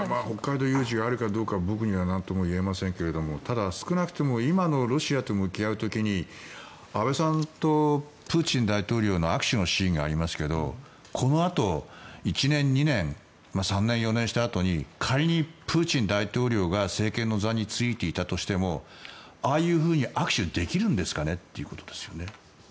北海道有事があるかどうか僕には何とも言えませんがただ、少なくとも今のロシアと向き合う時に安倍さんとプーチン大統領の握手のシーンがありますがこのあと、１年、２年３年、４年したあとに仮にプーチン大統領が政権の座に就いていたとしてもああいうふうに握手できるんですかねっていうことですよね。